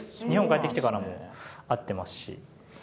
日本帰ってきてからも会ってますし。